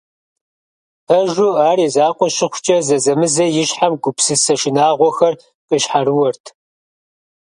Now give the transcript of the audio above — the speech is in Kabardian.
Пэжу, ар и закъуэ щыхъукӏэ, зэзэмызэ и щхьэм гупсысэ шынагъуэхэр къищхьэрыуэрт.